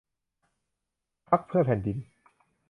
พรรคเพื่อแผ่นดิน